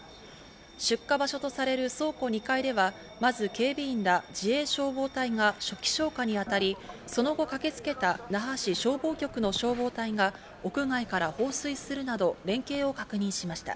出火場所とされる倉庫２階ではまず警備員ら自衛消防隊が初期消火にあたり、その後駆けつけた那覇市消防局の消防隊が屋外から放水するなど、連携を確認しました。